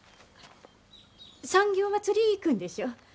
産業まつり行くんでしょ。